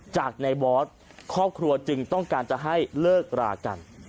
จากในบอสครอบครัวจึงต้องการจะให้เลิกรากัน